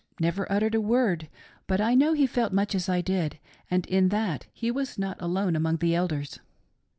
never uttered a word, but I know he felt much as I did, and in that he was not alone among the Elders.